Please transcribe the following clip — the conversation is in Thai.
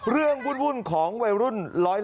เรื่องวุ่นของวัยรุ่น๑๒๐